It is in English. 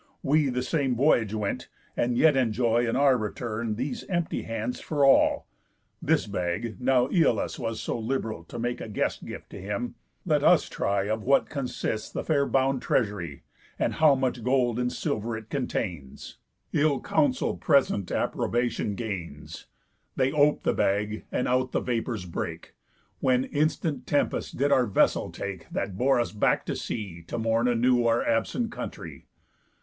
We the same voyage went, and yet enjoy In our return these empty hands for all. This bag, now, Æolus was so liberal To make a guest gift to him; let us try Of what consists the fair bound treasury, And how much gold and silver it contains.' Ill counsel present approbation gains. They op'd the bag, and out the vapours brake, When instant tempest did our vessel take, That bore us back to sea, to mourn anew Our absent country.